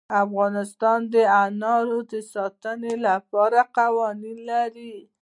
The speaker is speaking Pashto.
افغانستان د انار د ساتنې لپاره قوانین لري.